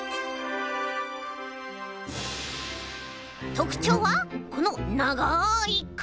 とくちょうはこのながいくび！